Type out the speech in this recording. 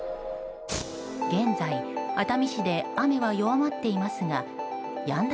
現在、熱海市で雨は弱まっていますがやんだ